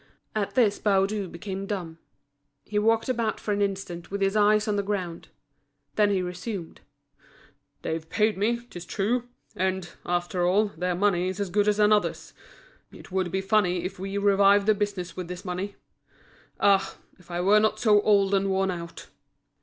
At this Baudu became dumb. He walked about for an instant with his eyes on the ground. Then he resumed: "They've paid me, 'tis true; and, after all, their money is as good as another's. It would be funny if we revived the business with this money. Ah! if I were not so old and worn out!"